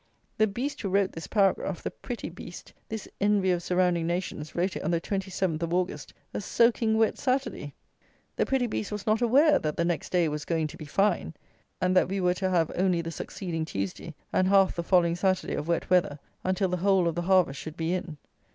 The beast who wrote this paragraph; the pretty beast; this "envy of surrounding nations" wrote it on the 27th of August, a soaking wet Saturday! The pretty beast was not aware, that the next day was going to be fine, and that we were to have only the succeeding Tuesday and half the following Saturday of wet weather until the whole of the harvest should be in.